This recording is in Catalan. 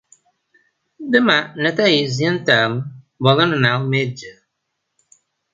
Demà na Thaís i en Telm volen anar al metge.